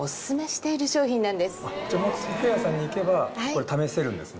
じゃあモッズ・ヘアさんに行けばこれ試せるんですね。